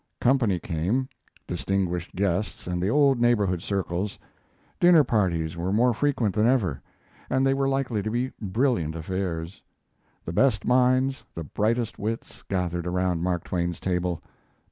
Company came: distinguished guests and the old neighborhood circles. Dinner parties were more frequent than ever, and they were likely to be brilliant affairs. The best minds, the brightest wits, gathered around Mark Twain's table.